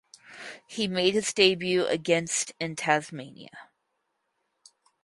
He made his debut against in Tasmania.